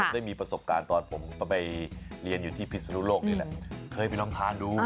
ได้มีประสบการณ์ตอนผมไปเรียนอยู่ที่พิศนุโลกนี่แหละเคยไปลองทานดู